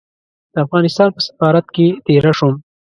د افغانستان په سفارت کې دېره شوم.